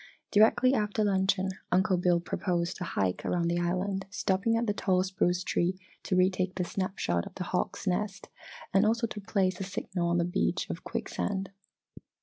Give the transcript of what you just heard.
Directly after luncheon, Uncle Bill proposed a hike around the island stopping at the tall spruce tree to retake the snap shot of the hawk's nest and also to place a signal on the beach of quicksand.